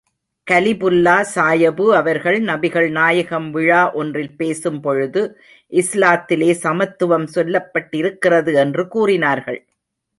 கலிபுல்லா சாயபு அவர்கள் நபிகள் நாயகம் விழா ஒன்றில் பேசும் பொழுது, இஸ்லாத்திலே சமத்துவம் சொல்லப்பட்டிருக்கிறது என்று கூறினார்கள்.